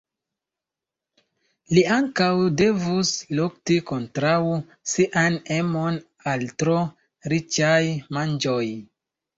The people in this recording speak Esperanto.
Li ankaŭ devus lukti kontraŭ sian emon al tro riĉaj manĝoj.